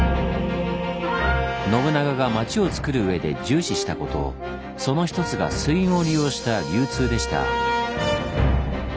信長が町をつくるうえで重視したことその一つが水運を利用した流通でした。